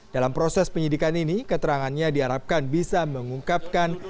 dalam proses penyidikan ini keterangannya diharapkan bisa mengungkapkan